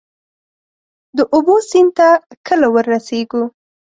د اوبو، سیند ته کله ورسیږو؟